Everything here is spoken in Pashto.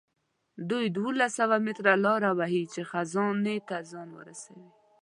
دوی دولس سوه متره لاره وهي چې خزانې ته ځان ورسوي.